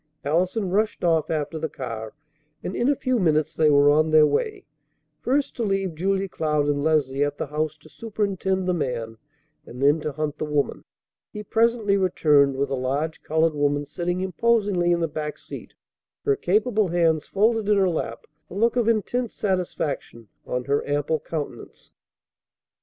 Allison rushed off after the car, and in a few minutes they were on their way, first to leave Julia Cloud and Leslie at the house to superintend the man, and then to hunt the woman. He presently returned with a large colored woman sitting imposingly in the back seat, her capable hands folded in her lap, a look of intense satisfaction on her ample countenance.